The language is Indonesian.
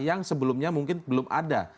yang sebelumnya mungkin belum ada